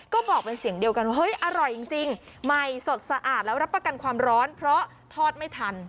ก็บอกเป็นเสียงอร่อยเยี่ยมกันว่าเฮ้ยอร่อยจริง